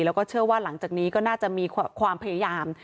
แล้วก็เชื่อว่าหลังจากนี้ก็น่าจะมีความพยายาม